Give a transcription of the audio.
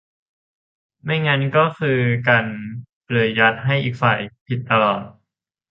ไม่งั้นก็คือกัน คือยัดให้อีกฝ่ายผิดตลอด